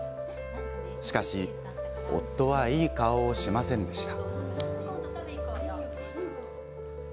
しかし夫はいい顔をしませんでした。